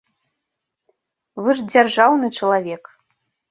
Вы ж дзяржаўны чалавек.